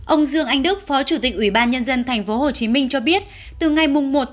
ông dương anh đức phó chủ tịch ủy ban nhân dân tp hcm cho biết từ ngày một một mươi